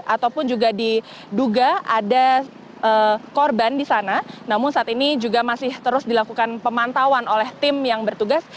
ataupun juga diduga ada korban di sana namun saat ini juga masih terus dilakukan pemantauan oleh tim yang bertugas